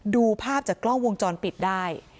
ดูภาพจากกล้องวงจรปิดได้